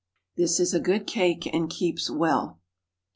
This is a good cake, and keeps well.